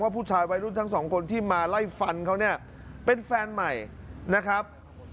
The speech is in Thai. ผู้ชายวัยรุ่นทั้งสองคนที่มาไล่ฟันเขาเนี่ยเป็นแฟนใหม่นะครับ